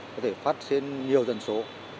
có thể phát trên nhiều dần số